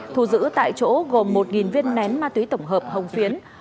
thu giữ tại chỗ gồm một viên nén ma túy tổng hợp hồng phiến